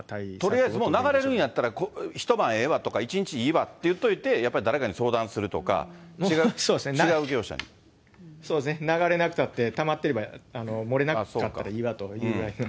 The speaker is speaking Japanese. とりあえず流れるんやったら一晩ええわとか、一日ええわとか言っといて、やっぱり誰かに相談するとか、違う業そうですね、流れなくたってたまってれば漏れなかったらいいやというぐらいの。